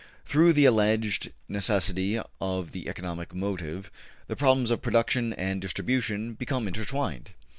Through the alleged necessity of the economic motive, the problems of production and distribution become intertwined.